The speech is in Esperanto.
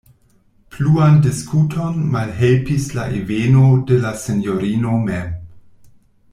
Pluan diskuton malhelpis la enveno de la sinjorino mem.